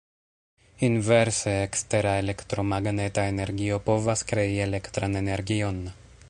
Inverse, ekstera elektromagneta energio povas krei elektran energion.